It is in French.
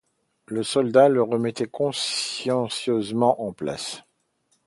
Le soldat les remettait consciencieusement en place.